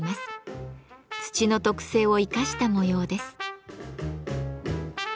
土の特性を生かした模様です。